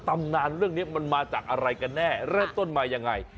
ตำนานเรื่องนี้มันมาจากอะไรกันแน่เริ่มต้นมายังไง